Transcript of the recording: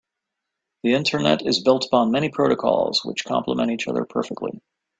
The internet is built upon many protocols which compliment each other perfectly.